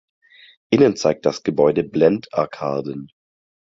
Innen zeigt das Gebäude Blendarkaden.